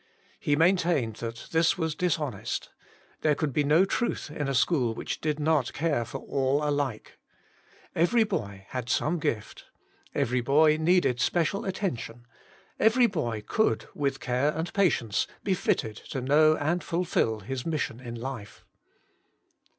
He maintained that this was dishonest : there could be no truth in a school which did not care for all alike. Every boy had some gift ; every boy needed special attention ; every boy could, with care and patience, be fitted to know and fulfil his mission in life.